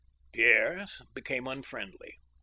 Pierre became unfriendly.